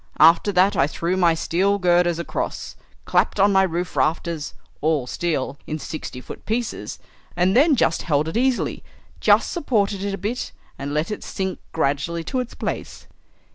After that I threw my steel girders across, clapped on my roof rafters, all steel, in sixty foot pieces, and then just held it easily, just supported it a bit, and let it sink gradually to its place."